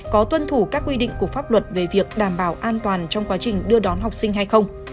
có tuân thủ các quy định của pháp luật về việc đảm bảo an toàn trong quá trình đưa đón học sinh hay không